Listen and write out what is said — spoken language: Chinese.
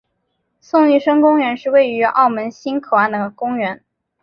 宋玉生公园是位于澳门新口岸的公园。